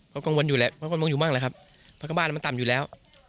ก็กังวลอยู่แหละก็กังวลอยู่มากเลยครับเพราะว่าบ้านมันต่ำอยู่แล้ว